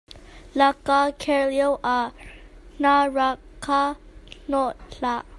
La ka kher lioah hna rak ka hnawh hlah.